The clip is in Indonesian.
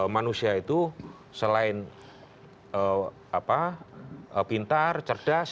manusia itu selain pintar cerdas